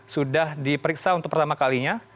sudah diperiksa untuk pertama kalinya